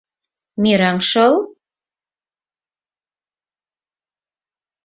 Мераҥ шыл?